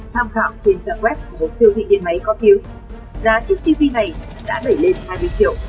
tham khảo trên trạng web của một siêu thị điện máy có tiếng giá chiếc tv này đã đẩy lên hai mươi triệu